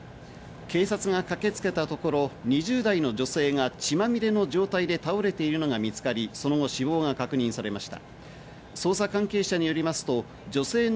警察が駆けつけたところ２０代の女性が血まみれの状態で倒れているのが見つかり、その後、死亡が確認されました。